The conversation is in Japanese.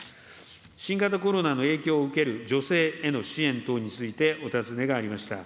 新型コロナの影響を受ける女性への支援等についてお尋ねがありました。